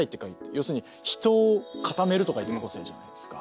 要するに「人」を「固める」と書いて「個性」じゃないですか。